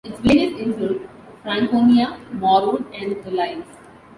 Its villages include Franconia, Morwood, and Reliance.